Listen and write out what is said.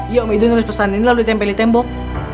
ya om hiday nulis pesan ini lalu ditempeli tembok